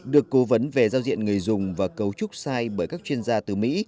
được cố vấn về giao diện người dùng và cấu trúc sai bởi các chuyên gia từ mỹ